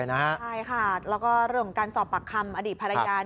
ใช่ค่ะเรื่องการสอบปากคำอดีตภรรยา